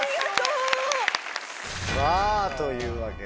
さぁというわけで。